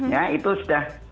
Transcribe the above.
ya itu sudah